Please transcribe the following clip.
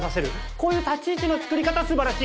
こういう立ち位置の作り方素晴らしい。